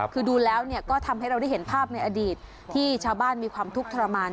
คือดูแล้วก็ทำให้เราได้เห็นภาพในอดีตที่ชาวบ้านมีความทุกข์ทรมาน